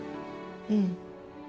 うん。